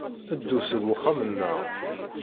Ddu seg wexxam-nneɣ.